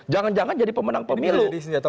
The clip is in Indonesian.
jangan jangan jadi pemenang pemilu